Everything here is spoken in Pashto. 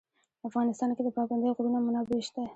په افغانستان کې د پابندی غرونه منابع شته.